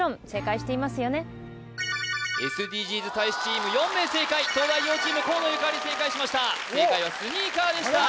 大使チーム４名正解東大王チーム河野ゆかり正解しました正解はスニーカーでした・